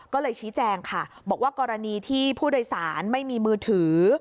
ก็เลยชี้แจงค่ะบอกว่ากรณีที่ผู้โดยสารไม่มีมือถือ